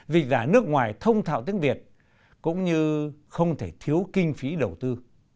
dịch giả nước ngoài thông thạo tiếng việt cũng như không thể thiếu kinh phí đầu tư